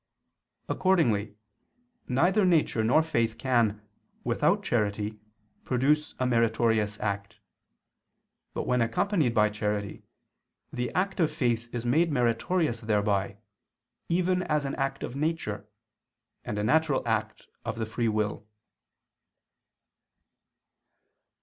Accordingly neither nature nor faith can, without charity, produce a meritorious act; but, when accompanied by charity, the act of faith is made meritorious thereby, even as an act of nature, and a natural act of the free will.